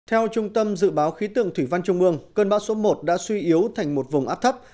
theo trung tâm dự báo khí tượng thủy văn trung ương cơn bão số một đã suy yếu thành một vùng áp thấp